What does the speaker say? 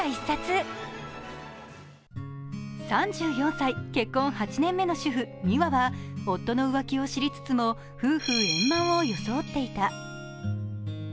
３４歳、結婚８年めの主婦・美和は夫の浮気を知りつつも夫婦円満を装っていた。